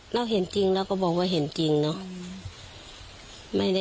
เราเห็นจริงเราก็บอกว่าเห็นจริงเนาะ